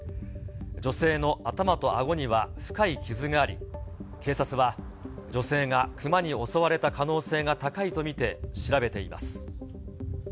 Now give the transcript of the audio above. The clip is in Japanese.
女性の頭とあごには深い傷があり、警察は女性がクマに襲われた可能性が高いと見て調べています。